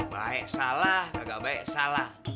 baik salah agak baik salah